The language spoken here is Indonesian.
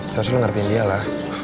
seharusnya lo ngertiin dia lah